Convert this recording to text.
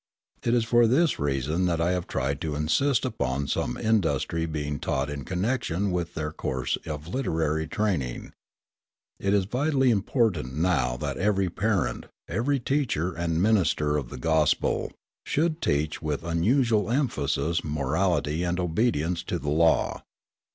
It is for this reason that I have tried to insist upon some industry being taught in connection with their course of literary training. It is vitally important now that every parent, every teacher and minister of the gospel, should teach with unusual emphasis morality and obedience to the law.